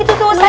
itu tuh ustazah